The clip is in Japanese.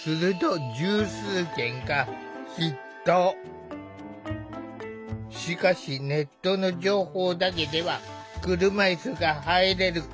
するとしかしネットの情報だけでは車いすが入れるか分からない。